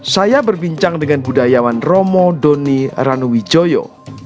saya berbincang dengan budayawan romo doni ranuwijoyo